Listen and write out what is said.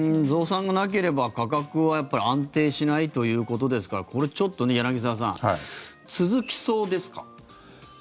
増産がなければ価格は安定しないということですからこれ、ちょっとね柳澤さん続きそうですか？